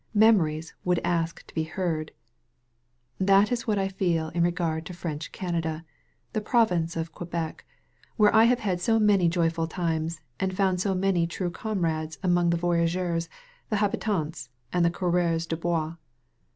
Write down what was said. Memories would ask to be heard. That is what I feel in regard to French Canada, the province of Quebec, where I have had so many joyful times, and found so many true comrades among the wyageurs^ the habiianU, and the coureurs debais.